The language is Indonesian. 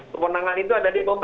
kepenangan itu ada di pemerintah